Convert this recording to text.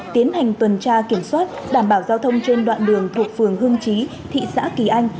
tiến hành tuần tra kiểm soát đảm bảo giao thông trên đoạn đường thuộc phường hương trí thị xã kỳ anh